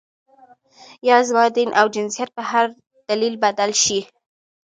یا زما دین او جنسیت په هر دلیل بدل شي.